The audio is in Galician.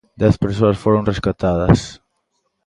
Dez persoas foron rescatadas.